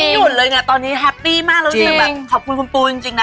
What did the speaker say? ไม่หยุดเลยไงตอนนี้แฮปปี้มากรู้สึกแบบขอบคุณคุณปูจริงนะ